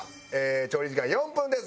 調理時間４分です。